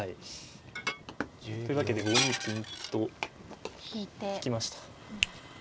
というわけで５二金と引きました。